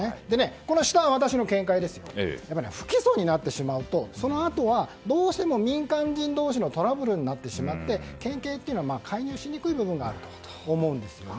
この下は私の見解ですが不起訴になってしまうとそのあとはどうしても民間人同士のトラブルになってしまって県警というのは介入しにくい部分があると思うんですよね。